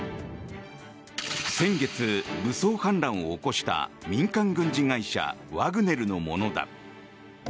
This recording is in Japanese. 先月、武装反乱を起こした民間軍事会社ワグネルのものだ。